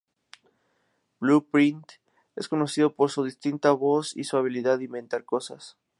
Blueprint es conocido por su distintiva voz y su habilidad para inventar historias.